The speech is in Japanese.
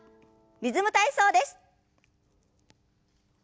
「リズム体操」です。